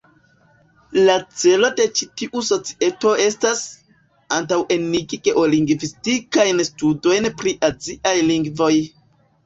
La celo de ĉi tiu Societo estas "...antaŭenigi geolingvistikajn studojn pri aziaj lingvoj.